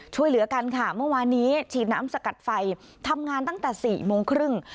ช่วยเหลือกันค่ะเมื่อวานนี้ฉีดน้ำสกัดไฟทำงานตั้งแต่๔โมงครึ่ง